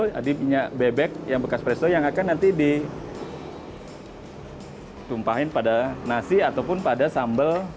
jadi minyak bebek yang bekas presto yang akan nanti ditumpahkan pada nasi ataupun pada sambal